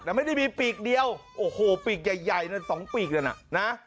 แต่ไม่ได้มีปีกเดียวโอ้โหปีกใหญ่นั่น๒ปีกนั่นน่ะนะ